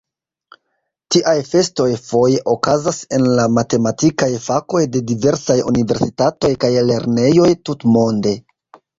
Tiaj festoj foje okazas en la matematikaj fakoj de diversaj universitatoj kaj lernejoj tutmonde.